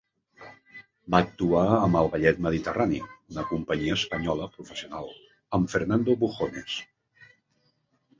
Va actuar amb el Ballet Mediterrani, una companyia espanyola professional, amb Fernando Bujones.